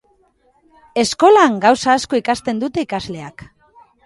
Eskolan gauza asko ikasten dute ikasleak.